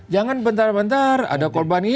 jangan bentar bentar ada kolbani